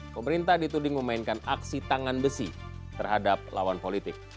pemerintah dituding memainkan aksi tangan besi terhadap lawan politik